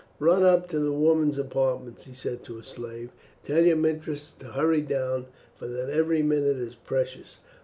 "Run up to the women's apartments," he said to a slave, "and tell your mistress to hurry down, for that every minute is precious."